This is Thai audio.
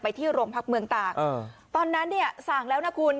ที่โรงพักเมืองตากตอนนั้นเนี่ยสั่งแล้วนะคุณ